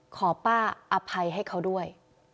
ขอป้าอภัยให้เขาด้วย